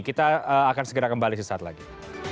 kita akan segera kembali sesaat lagi